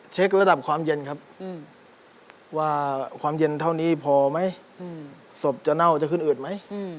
ระดับความเย็นครับว่าความเย็นเท่านี้พอไหมศพจะเน่าจะขึ้นอืดไหม